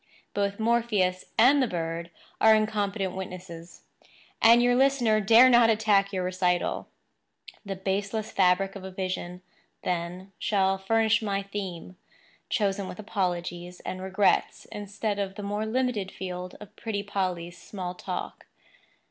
Both Morpheus and the bird are incompetent witnesses; and your listener dare not attack your recital. The baseless fabric of a vision, then, shall furnish my theme—chosen with apologies and regrets instead of the more limited field of pretty Polly's small talk.